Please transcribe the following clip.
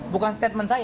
bukan statement saya